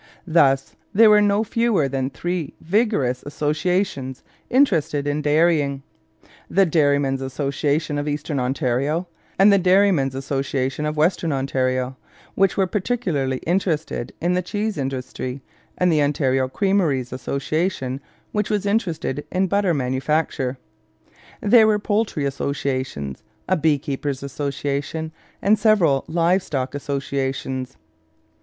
Thus there were no fewer than three vigorous associations interested in dairying: the Dairymen's Association of Eastern Ontario, and the Dairymen's Association of Western Ontario, which were particularly interested in the cheese industry, and the Ontario Creameries Association, which was interested in butter manufacture. There were poultry associations, a beekeepers' association, and several live stock associations.